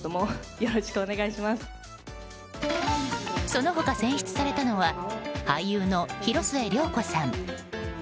その他、選出されたのは俳優の広末涼子さん